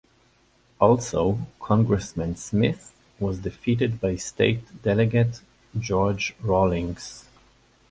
Also, Congressman Smith was defeated by State Delegate George Rawlings.